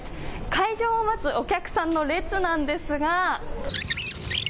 開場を待つお客さんの列なんですが。